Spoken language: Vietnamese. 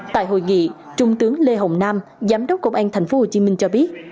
tại hội nghị trung tướng lê hồng nam giám đốc công an thành phố hồ chí minh cho biết